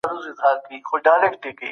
کابینه پټ قرارداد نه عملي کوي.